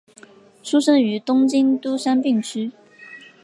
出身于东京都杉并区。